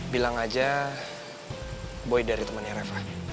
bilang aja boy dari temennya reva